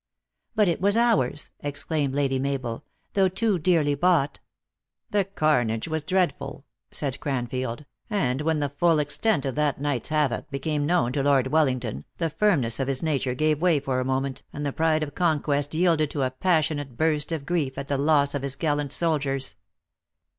" But it was ours !" exclaimed Lady Mabel, " though too dearly bought. "The carnage was dreadful," said Cranfield ;" and when the full extent of that night s havoc became known to Lord Wellington, the firmness of liis nature gave way for a moment, and the pride of conquest yielded to a passionate burst of grief at the loss of his gallant soldiers.